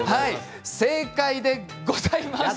正解でございます。